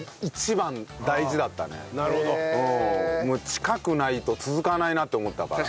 近くないと続かないなって思ったから。